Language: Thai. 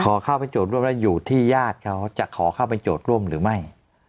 ขอเข้าไปโจทย์ร่วมแล้วอยู่ที่ญาติเขาจะขอเข้าไปโจทย์ร่วมหรือไม่